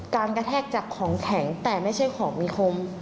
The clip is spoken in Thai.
กระแทกจากของแข็งแต่ไม่ใช่ของมีคม